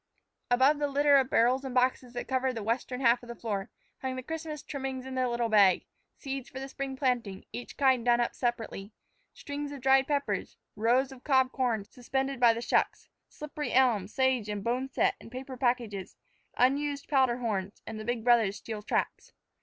Above the litter of barrels and boxes that covered the western half of the floor, hung the Christmas trimmings in their little bag; seeds for the spring planting, each kind done up separately; strings of dried peppers; rows of cob corn, suspended by the shucks; slippery elm, sage, and boneset in paper packages; unused powder horns; and the big brothers' steel traps.